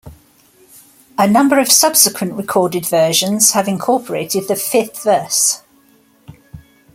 A number of subsequent recorded versions have incorporated the fifth verse.